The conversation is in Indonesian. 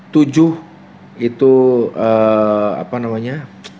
tujuh itu apa namanya